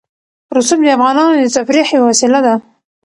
رسوب د افغانانو د تفریح یوه وسیله ده.